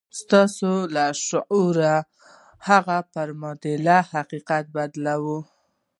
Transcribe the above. ستاسې لاشعور د هغه پر معادل حقيقت بدلوي.